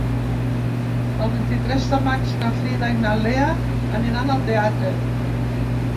El vint-i-tres de maig na Frida i na Lea aniran al teatre.